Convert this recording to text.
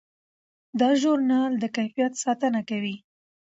دا ژورنال د کیفیت ساتنه کوي.